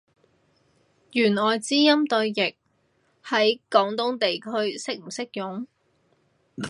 弦外之音對譯，喺廣東地區適唔適用？